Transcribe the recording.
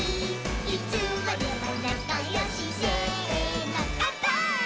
「いつまでもなかよしせーのかんぱーい！！」